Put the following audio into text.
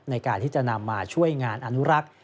ในการที่จะนำมาช่วยงานอนุรักษ์